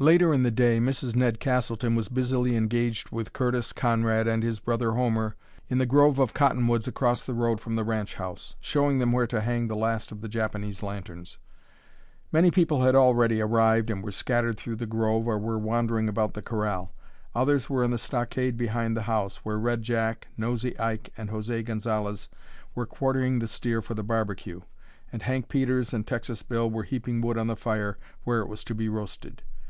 Later in the day Mrs. Ned Castleton was busily engaged with Curtis Conrad and his brother Homer in the grove of cottonwoods across the road from the ranch house, showing them where to hang the last of the Japanese lanterns. Many people had already arrived and were scattered through the grove, or were wandering about the corral. Others were in the stockade behind the house, where Red Jack, Nosey Ike, and José Gonzalez were quartering the steer for the barbecue, and Hank Peters and Texas Bill were heaping wood on the fire where it was to be roasted.